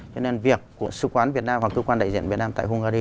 cho nên việc của sứ quán việt nam hoặc cơ quan đại diện việt nam tại hungary